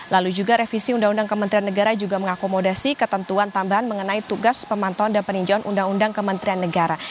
lalu juga revisi undang undang kementerian negara juga mengakomodasi ketentuan tambahan mengenai tugas pemantauan dan peninjauan undang undang kementerian negara